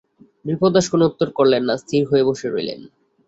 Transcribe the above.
বিপ্রদাস কোনো উত্তর করলে না, স্থির হয়ে বসে রইল।